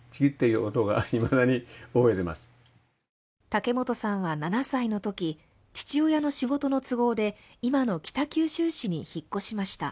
竹本さんは７歳のとき父親の仕事の都合で今の北九州市に引っ越しました。